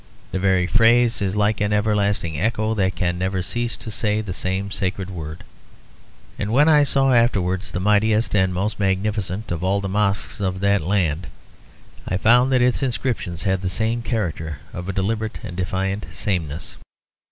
The very phrase is like an everlasting echo, that can never cease to say the same sacred word; and when I saw afterwards the mightiest and most magnificent of all the mosques of that land, I found that its inscriptions had the same character of a deliberate and defiant sameness.